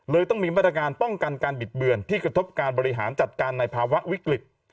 ต้องมีมาตรการป้องกันการบิดเบือนที่กระทบการบริหารจัดการในภาวะวิกฤต